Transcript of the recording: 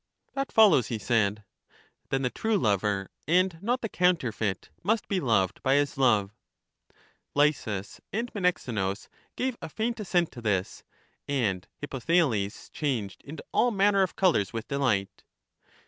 That follows, he said. Then the true lover, and not the counterfeit, must be loved by his love. Lysis and Menexenus gave a faint assent to this; and Hippothales changed into all manner of colors with delight.